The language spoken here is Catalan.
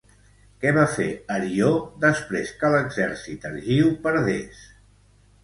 Què va fer Arió després que l'exèrcit argiu perdés?